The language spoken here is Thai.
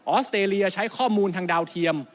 อสเตรเลียใช้ข้อมูลทางดาวเทียม